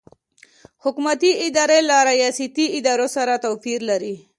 حکومتي ادارې له ریاستي ادارو سره توپیر لري.